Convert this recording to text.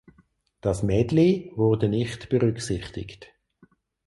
Das Medley wurde nicht berücksichtigt.